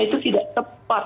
itu tidak tepat